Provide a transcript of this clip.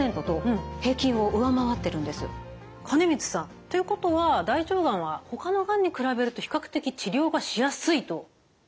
金光さんということは大腸がんはほかのがんに比べると比較的治療がしやすいということなんですね？